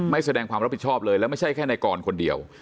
แสดงความรับผิดชอบเลยแล้วไม่ใช่แค่ในกรคนเดียว